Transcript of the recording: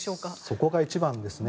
そこが一番ですね。